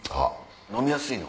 飲みやすいの。